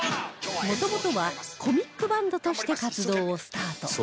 もともとはコミックバンドとして活動をスタート